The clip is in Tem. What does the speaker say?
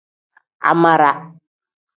Amara.